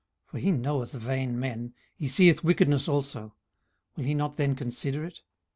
18:011:011 For he knoweth vain men: he seeth wickedness also; will he not then consider it?